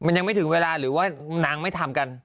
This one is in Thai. มันยังไม่ถึงเวลาหรือว่านางไม่ทำกัน